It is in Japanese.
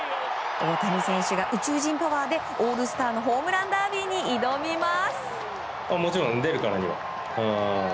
大谷選手が宇宙人パワーでオールスターのホームランダービーに挑みます。